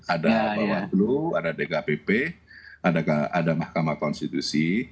ada bawadlu ada dkpp ada mahkamah konstitusi